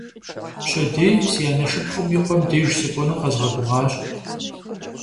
Пщэдей си анэ шыпхъум и къуэм деж сыкӀуэну къэзгъэгугъащ.